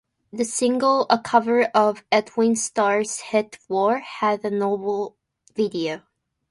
The single, a cover version of Edwin Starr's hit "War", had a notable video.